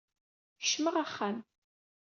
Kecm-aƔ axxam